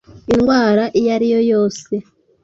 indwara iyo ari yo yose